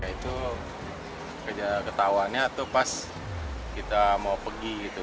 itu kerja ketawanya itu pas kita mau pergi gitu